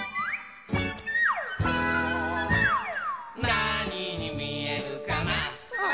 なににみえるかな